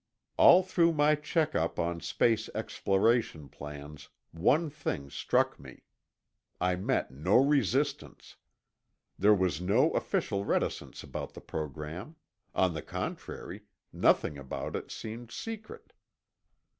All through my check up on space exploration plans, one thing struck me: I met no resistance. There was no official reticence about the program; on the contrary, nothing about it seemed secret.